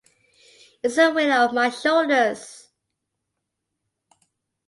It's a weight off my shoulders.